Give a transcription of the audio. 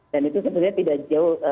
dan itu sebenarnya tidak jauh